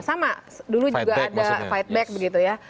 sama dulu juga ada fight back begitu ya